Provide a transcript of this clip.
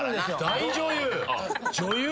大女優！